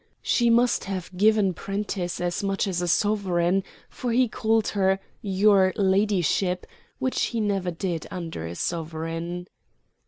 She must have given Prentiss as much as a sovereign, for he called her "Your ladyship," which he never did under a sovereign.